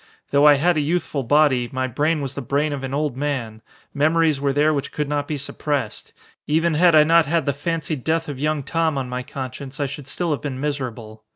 Though I had a youthful body, my brain was the brain of an old man memories were there which could not be suppressed. Even had I not had the fancied death of young Tom on my conscience I should still have been miserable.